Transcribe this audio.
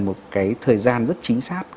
một cái thời gian rất chính xác